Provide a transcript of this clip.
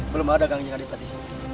belum ada gang jeng adipati